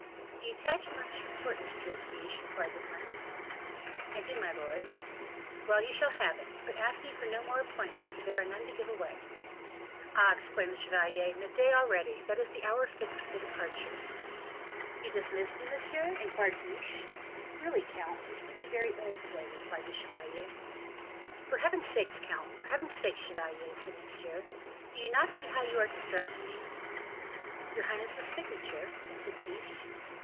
"Do you attach much importance to it, Guiche?" inquired the prince. "I do, my lord." "Well, you shall have it; but ask me for no more appointments, for there are none to give away." "Ah!" exclaimed the chevalier, "midday already, that is the hour fixed for the departure." "You dismiss me, monsieur?" inquired Guiche. "Really, count, you treat me very ill to day," replied the chevalier. "For heaven's sake, count, for heaven's sake, chevalier," said Monsieur, "do you not see how you are distressing me?" "Your highness's signature?" said Guiche.